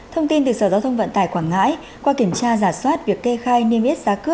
thông tin từ sở giao thông vận tải quảng ngãi